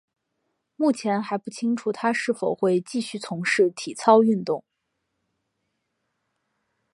目前还不清楚她是否会继续从事体操运动。